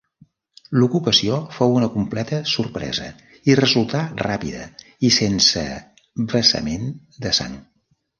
L'ocupació fou una completa sorpresa i resultà ràpida i sense vessament de sang.